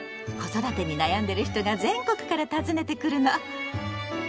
子育てに悩んでる人が全国から訪ねてくるの。